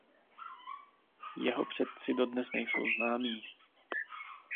Jeho předci dodnes nejsou známí.